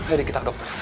ayo deh kita ke dokter